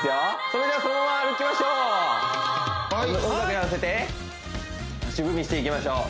それではそのまま歩きましょう音楽に合わせて足踏みしていきましょう